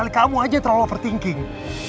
tapi kamu aja yang terlalu overthinking